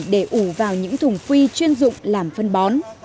để ủ vào những thùng phi chuyên dụng làm phân bón